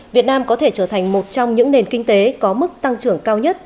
việt nam có thể trở thành một trong những nền kinh tế có mức tăng trưởng cao nhất